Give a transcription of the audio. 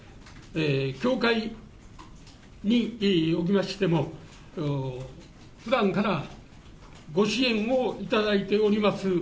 協会におきましても、ふだんからご支援をいただいております